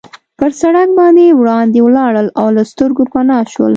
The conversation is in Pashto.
پر سړک باندې وړاندې ولاړل او له سترګو پناه شول.